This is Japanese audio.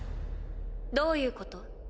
どういうこと？